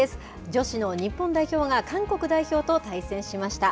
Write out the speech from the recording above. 女子の日本代表が韓国代表と対戦しました。